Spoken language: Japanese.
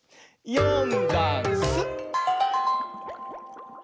「よんだんす」